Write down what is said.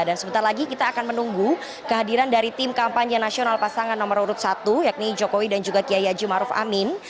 dan sebentar lagi kita akan menunggu kehadiran dari tim kampanye nasional pasangan nomor urut satu yakni jokowi dan juga kiai yajumaruf amin